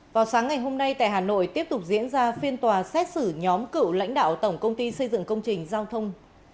vào sáng ngày hôm nay tại hà nội tiếp tục diễn ra phiên tòa xét xử nhóm cựu lãnh đạo tổng công ty xây dựng công trình giao thông